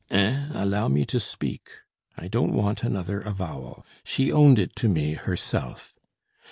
"Eh! allow me to speak. I don't want another avowal. She owned it to me herself."